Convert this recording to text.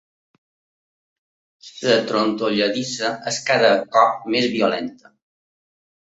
La trontolladissa és cada cop més violenta.